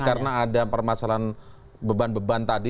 karena ada permasalahan beban beban tadi